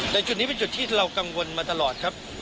แต่จุดนี้เป็นจุดที่เรากังวลมาตลอดครับ